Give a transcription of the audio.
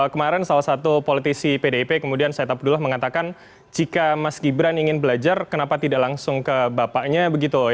kemarin salah satu politisi pdip kemudian said abdullah mengatakan jika mas gibran ingin belajar kenapa tidak langsung ke bapaknya begitu